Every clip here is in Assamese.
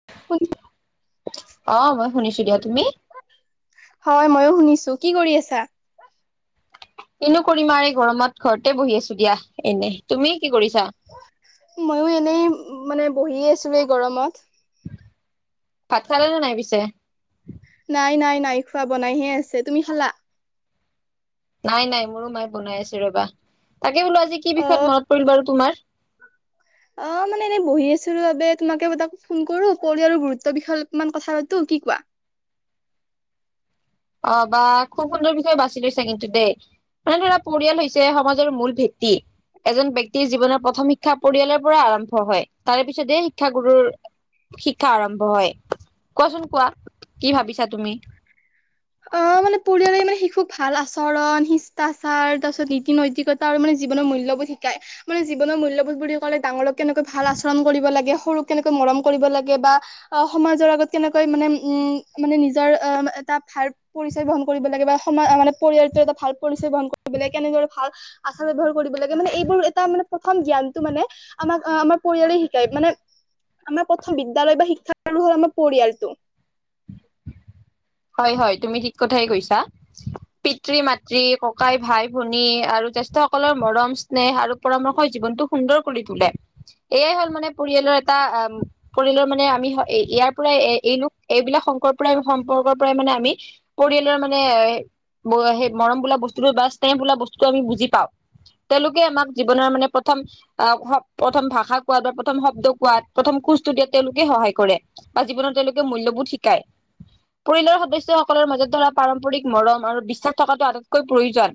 [unintelligible] অ', মই শুনিছো দিয়া, তুমি? হয় মইও শুনিছো, কি কৰি আছা? কিনো কৰিম আৰু এই গৰমত, ঘৰতে বহি আছো দিয়া এনে, তুমি কি কৰিছা? মইও এনেই মানে বহিয আছো এই গৰমত। ভাত খালেনে নাই পিছে? নাই নাই নাই খোৱা, বনাইহে আছে, তুমি খালা? নাই নাই, মোৰো মায়ে বনাই আছে ৰ'বা, তাকে বোলো আজি কি অ বিষয়ত মনত পৰিল বাৰু তোমাৰ? অ', মানে এনেই বহি আছিলোঁ বাবে তোমাকে এটা ফোন কৰো কৰি আৰু গুৰুত্ব বিষয় অলপমান কথা পাতো, কি কোৱা? [inaudible] অ', বা খুব সুন্দৰ বিষয় বাছি লৈছা কিন্তু দেই। মানে ধৰা পৰিয়াল হৈছে সমাজৰ মূল ভেটি। এজন ব্যক্তিৰ জীৱনৰ প্ৰথম শিক্ষা পৰিয়ালৰ পৰাই আৰম্ভ হয়, তাৰে পিছতহে শিক্ষাগুৰুৰ শিক্ষা আৰম্ভ হয়, কোৱাচোন কোৱা কি ভাবিছা তুমি। অ', মানে পৰিয়ালেই মানে শিশুক ভাল আছ চৰণ শিষ্টাচাৰ তাৰপিছত নীতি নৈতিকতা আৰু মানে জীৱনৰ মূল্যবোৰধ শিকাই, মানে জীৱনৰ মূল্যবোধ বুলি ক'লে ডাঙৰক কেনেকৈ ভাল আচৰম কৰিব লাগে, সৰুক কেনেকৈ মৰম কৰিব লাগে, বা অ, সমাজৰ আগত কেন কেনেকৈ মানে, উম, মানে নিজৰ এটা ভাৰ। পৰিচয় গ্ৰহণ কৰিব লাগে, বা সমা মানে পৰিয়ালটো এটা ভাল পৰিচয় গ্ৰহণ কৰিব লাগে। কেনেদৰে ভাল আচাৰ ব্যৱহাৰ। কৰিব লাগে মানে, এইবোৰ এটা মানে প্ৰথম জ্ঞানটো মানে, আমাক আমাৰ পৰিয়ালে শিকায় মানে। আমাৰ প্ৰথম বিদ্যালয় বা শিক্ষা গুৰু হ'ল আমাৰ পৰিয়ালটো। হয়, হয়, তুমি ঠিক কথাই কৈছা। পিতৃ মাতৃ ককাই ভাই ভনী আৰু জেষ্ঠসকলৰ মৰম, স্নেহ আৰু পৰামৰ্শই জীৱনটো সুন্দৰ কৰি তোলে। এয়াই হ'ল মানে পৰিয়ালৰ। এটা আ, পৰিয়ালৰ মানে আমি ইয়াৰ পৰাই এৰিলোঁ এই এইবিলাক শকৰ পৰা সম্পৰ্কৰ। প্ৰায় মানে আমি, পৰিয়ালৰ মানে সেই মৰম বোলা বস্তুটো বা স্নেহ বোলা বস্তুটো আমি, বুজি পাওঁ। তেওঁলোকে আমাক জীৱনৰ মানে প্ৰথম। প্ৰথম আহ, প্ৰথম ভাষা কোৱাত বা প্ৰথম শব্দ কোৱাত, প্ৰথম খোজটো দিয়াত। তেওঁলোকে সহায় কৰে, বা জীৱনত তেওঁলোকে মূল্যবোধ শিকায়। পৰিয়ালৰ সদস্যসকলৰ মাজত, ধৰা পাৰম্পৰিক মৰম আৰু বিশ্বাস থকাটো আটাইতকৈ প্ৰয়োজন।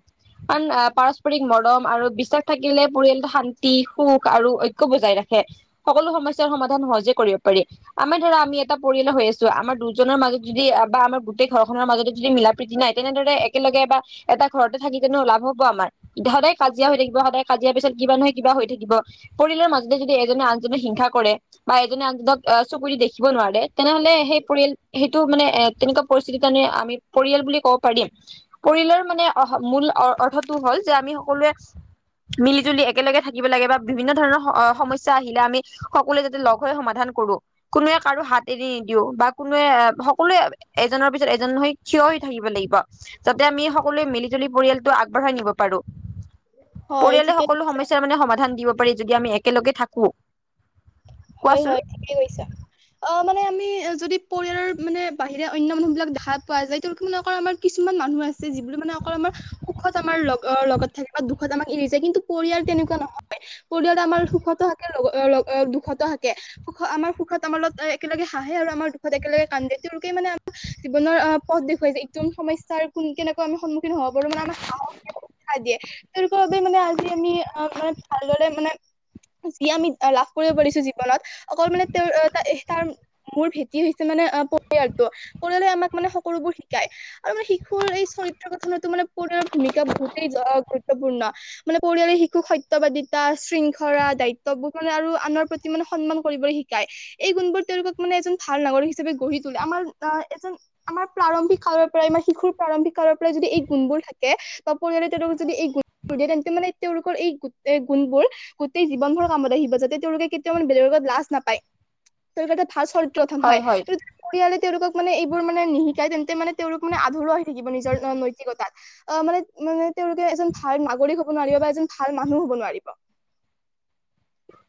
আন অহ, পাৰস্পৰিক মৰম আৰু বিশ্বাস থাকিলে পৰিয়ালটো শান্তি। সুখ আৰু ঐক্য‌ বজাই ৰাখে। সকলো সমস্যাৰ সমাধান সহজে কৰিব পাৰি। আমিৰ ধৰা আমি এটা পৰি য়ালে হৈ আছো আমাৰ দুজনৰ মাজত যদি বা আমাৰ গোটেই ঘৰখনৰ মাজতে যদি মিলা প্ৰীতি নাই তেনেদৰে একেলগে বা এটা ঘৰতে থাকি কেনেও লাভ হব আমাৰ। সদায় কাজিয়া হৈ থাকিব সদায় কাজিয়াৰ পিছত কিবা নহয় কিবা হৈ থাকিব। পৰিয়ালৰ মাজতে যদি এজনে হিংসা কৰে, বা এজনে আনজনক চকু দি দেখিব নোৱাৰে, তেনেহলে সেই পৰিয়াল। টো মানে, এ তেনেকুৱা পৰিস্থিতি তানে আমি পৰিয়াল বুলি ক'ব পাৰিম। পৰিয়ালৰ মানে অহ। মূল অৰ-অৰ্থটো হ'ল যে আমি সকলোৱে। মিলি জুলি একেলগে থাকিব লাগে। বা বিভিন্ন ধৰণৰ স-সমস্যা আহিলে আমি সকলোৱে যাতে লগ হৈ সমাধান কৰো। কোনোৱে কাৰো হাত এৰি নিদিঔ বা কোনোৱে আ। সকলোৱে, এজনৰ পিছত এজন হৈ থিয় হৈ থাকিব লাগিব। যাতে আমি সকলোৱে মিলি-জুলি পৰিয়ালটো আগবাঢ়। বঢ়ায় নিব পাৰো। হয় পৰিয়ালে ঠিকে সকলো কৈছা, সমস্যাৰ মানে সমাধান দিব। পাৰে। যদি আমি একেলগে থাকো। হয়, কোৱাচোন হয়, ঠিকেই কৈছা। অহ, মানে আমি। যদি পৰিয়ালৰ মানে বাহিৰে অন্য মানুহ বিলাক দেখা পোৱা যায়, তেওঁলোকৰ মানে অকমান কিছমান মানুহ আছে, যিবোৰ মানে। অকল আমাৰ, সুখত আমাৰ লগৰ লগত থাকে। বা দুখত আমাক এৰি যায় কিন্তু, পৰিয়াল তেনেকুৱা নহয়। পৰি পৰিয়াল আমাৰ সুখতো থাকে লগৰ অহ, লগ অ, দুখত। ত' থাকে। সুখ আমাৰ সুখত আমাৰ লগত একেলগে হাঁহে আৰু আমাৰ দুখ একেলগে কান্দে। তেওঁলোকে মানে আমাৰ জীৱন। জীৱনৰ অহ, পথ দেখুৱাই যায়। একদম সমস্যাৰ কোন কেনেকুৱ আমি সন্মুখীন হ'ব পাৰো মানে, আমাক সাহস দেখুৱাই ‌দিয়ে। তেওঁলোকৰ বাবে মানে, আজি আমি অ, মানে ভালদৰে মানে। যি আমি লাভ কৰিব পাৰিছো। বলত। অকল মানে তেওঁ এই তাৰ এ তাৰ মোৰ ভেটি হৈছে মানে অ, পৰিয়ালটো। পৰিয়ালে আমাক মানে সকলোবোৰ শিকায়। আৰু মানে, শিশুৰ এই চৰিত্ৰ গথনতো মানে পৰিয়ালৰ ভূমিকা বহুতেই। অহ', গুৰুত্বপূৰ্ণ মানে পৰিয়ালৰ শিশুক সত্যবাদিতা, শৃংখল, দায়িত্ববোৰ মানে আৰু আনৰ প্ৰতি। মানে সন্মান কৰিবলৈ শিকায়। এই গুণবোৰ তেওঁলোকক মানে এজন ভাল নাগৰিক হিচাপে গঢ়ি তোলে আমাৰ অহ, এজন। আমাৰ প্ৰাৰম্ভিক কালৰ পৰাই আমাৰ শিশুৰ প্ৰাৰম্ভিক কালৰ পৰা যদি, এই গুণবোৰ থাকে, বা পৰিয়ালে তেওঁলোক যদি এই। এই গুণব দিয়ে তেন্তে মানে, তেওঁলোকৰ এই গোট গুণবোৰ গোটেই জীৱন ভৰ কামত আহিব যাতে, তেওঁলোকে কেতি তেওঁ মানে বেলেগৰ লগত লাজ নাপায়। তেওঁলোকৰটো ভাল চৰিত্ৰ গঠন হয়। পৰিয়ালে তেওঁলোকক। মানে এইবোৰ মানে নিশিকাই, তেন্তে মানে তেওঁলোক মানে আধৰুৱা হৈ থাকিব নিজৰ নৈতিকতাত। অহ মানে মানে তেওঁলোকে এজন ভাল নাগৰিক হ'ব নোৱাৰিব বা এজন ভাল মানুহ হব নোৱাৰিব।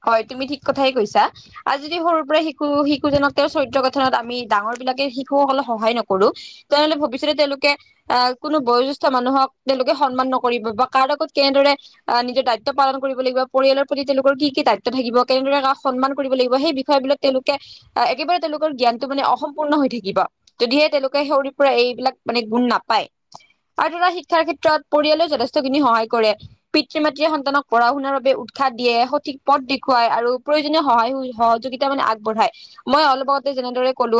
হয়, তুমি ঠিক কথাই কৈছা। আৰু যদি সৰুৰ পৰাই শিশু-শিশুজনক তেওঁৰ চৰিত্ৰ গঠনত আমি ডাঙৰ বিলাক এনেকে শিশুসকলক সহায় নকৰো, তেনেহ'লে ভৱিষ্যতে তেওঁলোকে অহ, কোনো বয়োজ্যেষ্ঠ মানুহক তেওঁলোকে সন্মান নকৰিব বা কাৰ আগত কেনেদৰে নিজৰ দায়িত্ব পালন কৰিব লাগিব, পৰিয়ালৰ প্ৰতি তেওঁলোক কি কি দায়িত্ব থাকিব। কেনেদৰে কাক সন্মান কৰিব লাগিব, সেই বিষয় বিলাক তেওঁলোকে অহ, একেবাৰে তেওঁলোকৰ জ্ঞানটো মানে, অসম্পূৰ্ণ হৈ থাকিব। যদিহে তেওঁলোকে সৰুৰ পৰাই এইবিলাক মানে গুণ নাপায়। আৰু ধৰা, শিক্ষাৰ ক্ষেত্ৰত পৰিয়ালেও যথেষ্ট খিনি সহায় কৰে, পিতৃ-মাতৃয়ে সন্তানক পঢ়া শুনাৰ বাবে উৎসাহ দিয়ে। ঠিক পথ দেখুৱাই আৰু প্ৰয়োজনীয় সহায় স-সহযোগিতা মানে আগবঢ়াই। মই অলপ আগতে যেনেদৰে কলো,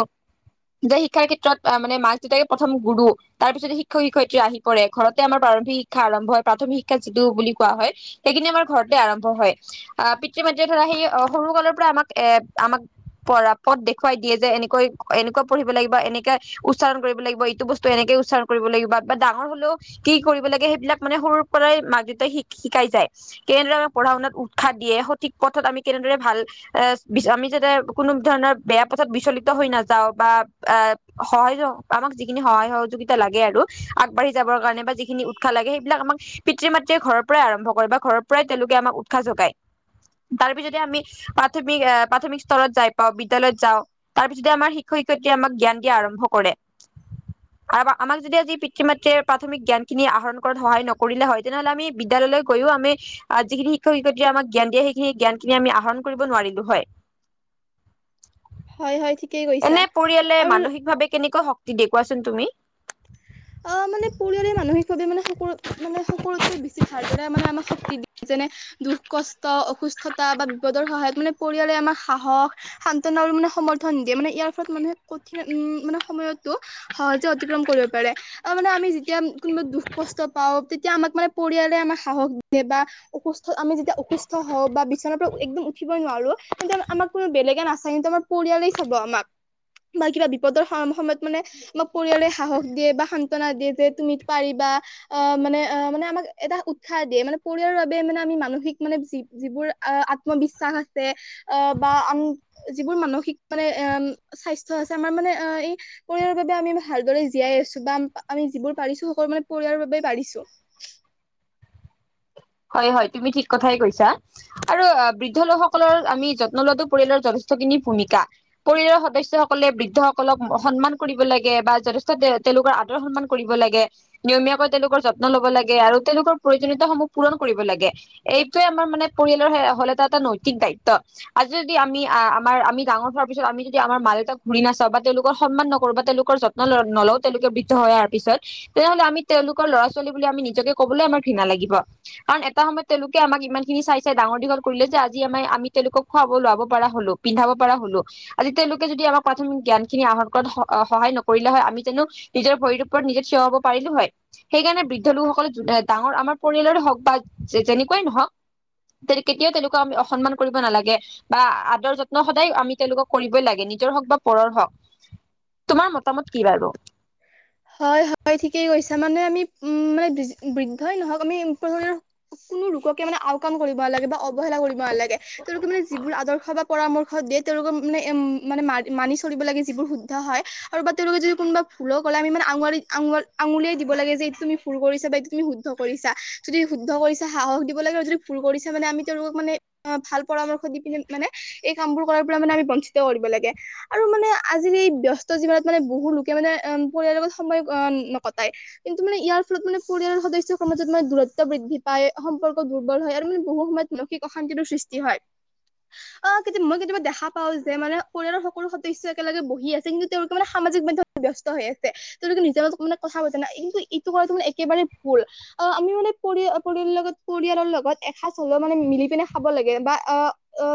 যে শিক্ষাৰ ক্ষেত্ৰত মানে মাক-দেউতাকে প্ৰথম গুৰু তাৰ পিছতে শিক্ষক-শিক্ষয়িত্ৰী আহি পৰে। ঘৰতে আমাৰ প্ৰাৰম্ভিক শিক্ষা আৰম্ভ হয় প্ৰাথমিক শিক্ষা যিটো বুলি কোৱা হয় সেইখিনি আমাৰ ঘৰতে আৰম্ভ হয়। আহ পিতৃ মাতৃয়ে ধৰা সেই সৰু কালৰ পৰা আমাক এ আমাক পঢ়া পদ দেখুৱাই দিয়ে যে এনেকৈ এনেকুৱা পঢ়িব লাগিব এনেকে উচ্চাৰণ কৰিব লাগিব এইটো বস্তু এনেকে। উচ্চাৰণ কৰিব লাগিব বা ডাঙৰ হলেও কি কৰিব লাগে সেইবিলাক মানে সৰুৰ পৰাই মাক দেউতাই শি শিকাই যায়। কেনেদৰে পঢ়া শুনাত উ শিক্ষা দিয়ে সঠিক পথত আমি কেনেদৰে ভাল এ আমি যাতে কোনো ধৰণৰ বেয়া পথত বিচলিত হৈ নাযাওঁ বা আ সহায় আমাক যিখিনি সহায় সহযোগিতা লাগে আৰু আগবাঢ়ি যাব কাৰণে বা যিখিনি উৎসাহ লাগে সেইবিলাক আমাক পিতৃ মাতৃয়ে ঘৰৰ পৰাই আৰম্ভ কৰে বা ঘৰৰ পৰাই তেওঁলোকে আমাক উৎসাহ যোগায়। তাৰ পিছতে আমি প্ৰাথমিক প্ৰাথমিক স্তৰত যাই পাওঁ বিদ্যালয়ত যাওঁ। তাৰপিছতে আমাৰ শিক্ষক শিক্ষয়িত্ৰীয়ে আমাক জ্ঞান দিয়া আৰম্ভ কৰে। [inaudible] আৰু আমাক যদি আজি পিতৃ মাতৃয়ে প্ৰাথমিক জ্ঞান খিনি আহৰণ কৰাত সহায় নকৰিলে হয় তেনেহ'লে আমি বিদ্যালয়লৈ গৈও আমি আ যিখিনি শিক্ষক শিক্ষয়িত্ৰী আমাক জ্ঞান দিয়ে সেইখিনি জ্ঞানখিনি আমি আহৰণ কৰিব নোৱাৰিলো হয়। হয় হয় ঠিক এনে পৰিয়ালে মানসিকভাৱে কেনেকৈ শক্তি দিয়ে কোৱাচোন তুমি? অ মানে পৰিয়ালে মানসিকভাৱে মানে সকলোত মানে সকলোতকৈ বেছি ভালদৰে মানে আমাক শক্তি দিয়ে যে মানে দুখ কষ্ট, অসুস্থতা বা বিপদৰ সহায়ত মানে পৰিয়ালে আমাৰ সাহস শান্তনা আৰু মানে সমৰ্থন দিয়ে মানে ইয়াৰ ফলত মানুহে কঠিন উম মানে সময়তো সহজে অতিক্ৰম কৰিব পাৰে। মানে আমি যেতিয়া কোনোবা দুখ কষ্ট পাওঁ তেতিয়া আমাক মানে পৰিয়ালে আমাক সাহস দিয়ে বা অসুস্থ আমি যেতিয়া অসুস্থ হওঁ বা বিচনাৰ পৰা একদম উঠিবই নোৱাৰো তেন্তে আমাক কোনো বেলেগে নাচায় কিন্তু আমাৰ পৰিয়ালেই চাব আমাক। বা কিবা বিপদৰ সময়ত মানে আমাক পৰিয়ালে সাহস দিয়ে বা সান্তনা দিয়ে যে তুমি পাৰিবা অ মানে আ মানে আমাক এটা উৎসাহ দিয়ে মানে পৰিয়ালৰ বাবে মানে আমি মানসিক মানে যি-যিবোৰ অ, আত্মবিশ্বাস আছে অ, বা আ [unintelligible] যিবোৰ মানসিক মানে [unintelligible] স্বাস্থ্য আছে আমাৰ মানে অ, এই পৰিয়ালৰ বাবে আমি ভালদৰে জীয়াই আছো বা আমি যিবোৰ পাৰিছো সেইবোৰ মানে পৰিয়ালৰ বাবেই পাৰিছো। হয়-হয় তুমি ঠিক কথাই কৈছা আৰু বৃদ্ধ লোকসকলৰ আমি যত্ন লোৱাটো পৰিয়ালৰ যথেষ্টখিনি ভূমিকা পৰিয়ালৰ সদস্যসকলে বৃদ্ধসকলক সন্মান কৰিব লাগে বা য যথেষ্ট তে -তেওঁলোকৰ আদৰ সন্মান কৰিব লাগে নিয়মীয়াকৈ তেওঁলোকৰ যত্ন ল'ব লাগে আৰু তেওঁলোকৰ প্ৰয়োজনীয়তা সমূহ পূৰণ কৰিব লাগে এইটোয়ে আমাৰ মানে পৰিয়ালৰ হ'ল এটা-এটা নৈতিক দায়িত্ব আজি যদি আমি আ আমাৰ আমি ডাঙৰ হোৱাৰ পিছত আমি যদি আমাৰ মা-দেউতাক ঘূৰি নাচাওঁ বা তেওঁলোকৰ সন্মান নকৰো বা তেওঁলোকৰ যত্ন নল অ, তেওঁলোকে বৃদ্ধ হৈ আহাৰ পিছত তেনেহলে আমি তেওঁলোকৰ ল'ৰা-ছোৱালী বুলি আমি নিজকে কবলৈ আমাৰ ঘৃণা লাগিব। কাৰণ এটা সময়ত তেওঁলোকে আমাক ইমান খিনি চাই -চাই ডাঙৰ দীঘল কৰিলে যে আজি আমাৰ আমি তেওঁলোকক খুৱাব লোৱাব পৰা হ'ল পিন্ধাব পাৰা হলো আজি তেওঁলোকে যদি আমাৰ প্ৰাথমিক জ্ঞান খিনি আহৰণ কৰাত সহায় নকৰিলে হয় আমি জানো নিজৰ ভৰিৰ ওপৰত নিজে থিয় হব পাৰিলো হয় সেইকাৰণে বৃদ্ধ লোকসকলে জুনে ডাঙৰ আমাৰ পৰিয়ালৰে হওক [unintelligible] যে - যেনেকুৱাই নহওক তে কেতিয়াও তেওঁলোকক আমি অসন্মান কৰিব নালাগে বা আদৰ যত্ন সদায় আমি তেওঁলোকক কৰিবই লাগে। নিজৰ হওক বা পৰৰ হওক তোমাৰ মতামত কি বাৰু? হয়- হয় ঠিকেই কৈছা মানে আমি উম, মানে বৃদ্ধই নহক আমি [unintelligible] কোন লোককে মানে আওকাণ কৰিব নালাগে বা অৱহেলা কৰিব নালাগে তেওঁলোকে মানে যিবোৰ আদৰ্শ বা পৰামৰ্শ দিয়ে তেওঁলোকৰ মানে-মানে মা-মানি চলিব লাগে যিবোৰ শুদ্ধ হয় আৰু বা তেওঁলোকে যদি কোনোবা ভুলক কলে আমি মানে আঙুৰীয়াৰিত আঙ-আঙুলিয়াই দিব লাগে যে এইটো তুমি ভুল কৰিছা বা এইটো তুমি শুদ্ধ কৰিছা যদি শুদ্ধ কৰিছা সাহস দিব লাগিব আৰু যদি ভুল কৰিছা মানে আমি তেওঁলোকক মানে ভাল অ, ভাল পৰামৰ্শ দি পিনে মানে এই কামবোৰ কৰাৰ পৰা মানে আমি বঞ্চিত কৰিব লাগে আৰু মানে আজিৰ এই বস্ত জীৱনত মানে বহু লোকে মানে পৰিয়ালৰ লগত সময় নকটাই কিন্তু মানে ইয়াৰ ফলত মানে পৰিয়ালৰ সদস্যৰ [unintelligible] মাজত মানে দূৰত্ব বৃদ্ধি পায় পায় সম্পৰ্ক দুৰ্বল হয় আৰু মানে বহু সময়ত মানসিক অশান্তিৰো সৃষ্টি হয়। অ কেতি মই কেতিয়াবা দেখা পাও যে, মানে পৰিয়ালৰ সকলো সদস্য একেলগে বহি আছে। কিন্তু তেওঁলোকে মানে সামাজিক মাধ্যমত ব্যস্ত হৈ আছে। তেওঁলোকে নিজৰ মানে কথা পাতা নাই। কিন্তু ইটো কৰাটো মানে একেবাৰে ভুল। আমি মানে পৰিয়া লগত পৰিয়ালৰ লগত এসাঁজ হ'লেও মানে মিলি কেনে খাব লাগে। বা অ, অ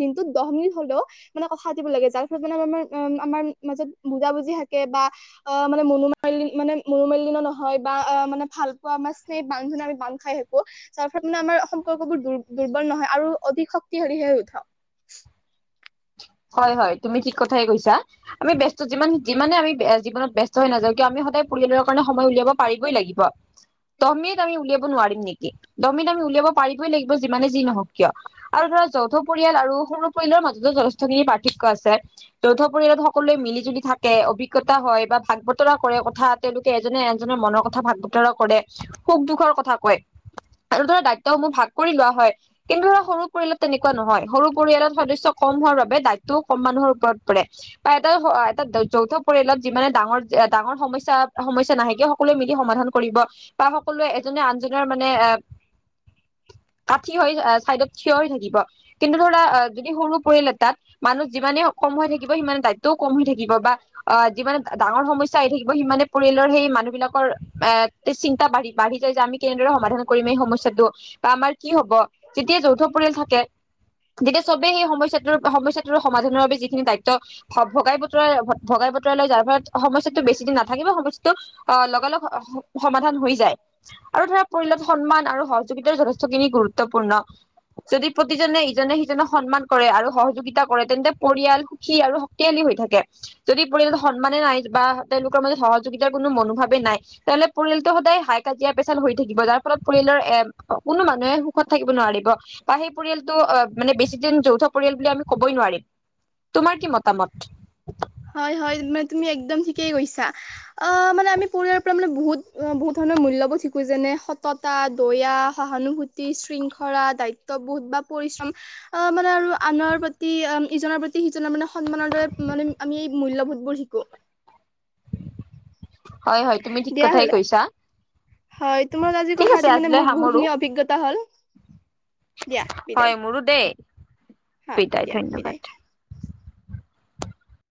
দিনটোত দহ মিনিট হব, মানে কথা পাতিব লাগে। যাৰ ফলত মানে মাৰ আমাৰ মাজত বুজা বুজি থাকে বা অ মানে মনোমাল্য মানে মনোমালিন্য নহয়। বা আ মানে ভাল পোৱা আমাৰ স্নেহ বান্ধনে আমি বান্ধ খাই থাকো। কো যাৰফলত মানে আমাৰ সম্পৰ্কবোৰ দু দুৰ্বল নহয়। আৰু অধিক শক্তিশালীহে উঠক। [unintelligible] হয়, হয়, তুমি ঠিক কথাই কৈছা। আমি ব্যস্ত যিমান, যিমানে আমি জীৱনত ব্যস্ত হৈ নাযাও কিয়, আমি সদায় পৰিয়ালৰ কাৰণে সময় উলিয়াব পাৰিবই লাগিব। দহমিনিট আমি উলিয়াব নোৱাৰিম নিকি, দহমিনিট আমি উলিয়াব পাৰিবই লাগিব। যিমানে যি নহওক কিয় আৰু ধৰা যৌথ পৰিয়াল আৰু সৰু পৰিয়ালৰ মাজতো যথে ষ্ট খিনি পাৰ্থক্য আছে। যৌথ পৰিয়ালত সকলোৱে মিলি জুলি থাকে, অভিজ্ঞতা হয়, বা ভাগ বতৰা কৰে। কথা তেওঁলোকে এজনে আনজনৰ মনৰ কথা ভাগ বতৰা কৰে। সুখ দুখৰ কথা কয়। আৰু ধৰা দায়িত্বসমূহ ভাগ কৰি লোৱা হয় কিন্তু সৰু পৰিয়ালত তেনেকুৱা নহয়সৰু পৰিয়ালত সদস্য কম হোৱাৰ বাবে দায়িত্বও কম মানুহৰ ওপৰত পৰে, বা এটা এটা যৌথ পৰিয়ালত যিমানে ডাঙৰ ডাঙৰ সমস্যা সমস্যা নাহে কিয় সকলোৱে মিলি সমাধান কৰিব, বা সকলোৱে এজনে আনজনৰ মানে এ কাঠি হৈ চাইডত থিয় হৈ থাকিব। কিন্তু ধৰা যদি সৰু পৰিয়াল এটাত মানুহ যিমানে কম হৈ থাকিব সিমানে দায়িত্বও কম হৈ থাকিব। বা অ যিমানে ডাঙৰ সমস্যা আহি থাকিব, সিমানে পৰিয়ালৰ সেই মানুহ বিলাকৰ এ চিন্তা বাঢ়ি, বাঢ়ি যায় যে আমি কেনেদৰে সমাধান কৰিম এই সমস্যাটো, বা আমাৰ কি হ'ব। তেতি যৌথ পৰিয়াল থাকে। যেতিয়া চবেই সেই সমস্যাটোৰ সমস্যাটো সমাধানৰ বাবে যিখিনি দায়িত্ব ভগাই বতৰা, ভগাই বতৰা লৈ, যাৰ ফলত সমস্যাটো বেছি দিন না থাকিব সন্তুষ্ট অ লগালগ সমাধান হৈ যায়। আৰু ধৰা পৰিয়ালত সন্মান আৰু সহযোগিতাৰ যথেষ্ট খি নি গুৰুত্বপূৰ্ণ যদি প্ৰতিজনে ইজনে সিজনক সন্মান কৰে, আৰু সহ শক্তিশালী হৈ থাকে যদি পৰিয়ালত সন্মানে নাই বা তেওঁলোকৰ মাজত সহযোগিতাৰ কোনো মনোভাৱেই নাই। তেনেহলে পৰিয়ালটো সদায় হাই কাজিয়া পেচাল হৈ থাকিব। যাৰ ফলত পৰিয়াল এ কোনো মানুহে সুখত থাকিব নোৱাৰিব, বা সেই পৰিয়ালটো অ মানে বেছি দিন যৌথ পৰিয়াল বুলি আমি ক'বই নোৱাৰিম। তোমাৰ কি মতামত। হয়, হয়। মানে তুমি একদম থিক কেই কৈছা। আ মানে আমি পৰিয়ালৰ পৰা মানে বহুত বহুত ধৰণৰ মূল্যবোধ শিকো। যেনে সততা দয়া, সহানুভূতি, শৃংখলা, দায়িত্ববোধ, বা পৰিশ্ৰম অ, মানে আৰু আৰু আন- নৰ প্ৰতি ইজনৰ প্ৰতি সিজনৰ মানে সন্মানৰ দৰে, মানে আমি এই মূল্যবোধবোৰ শিকো। হয়, হয়, তুমি ঠিক দিয়া কথাই হলে কৈছা। হয়। তোমাৰ লগত আজি ঠিক কথা আছে পাতি মানে, আজিলৈ মোৰ সামৰো বহুখিনি অভিজ্ঞতা হ'ল। দিয়া বিদায় হয় মোৰো দেই। হয় বিদায় দিয়া ধন্যবাদ।